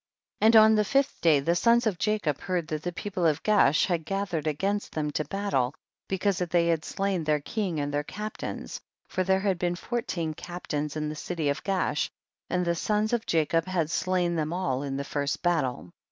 14. And on the fifth day the sons of Jacob heard that llie people of Gaash iiad gathered against them to battle, because they had slain their king and their captains, for there had been fourteen captains in tiie city of Gaash, and the sons of Jacob had slain them all in the first battle.